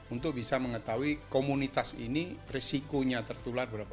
untuk bisa mengetahui komunitas ini risikonya tertular berapa